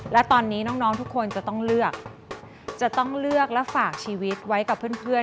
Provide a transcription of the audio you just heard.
และตอนนี้น้องทุกคนจะต้องเลือกจะต้องเลือกและฝากชีวิตไว้กับเพื่อน